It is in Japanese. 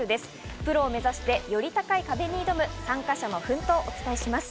プロを目指して、より高い壁に挑む参加者の奮闘をお伝えします。